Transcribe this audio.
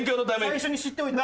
最初に知っておいた方が？